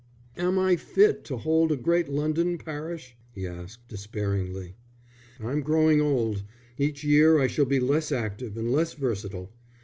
"Am I fit to hold a great London parish?" he asked, despairingly. "I'm growing old. Each year I shall be less active and less versatile.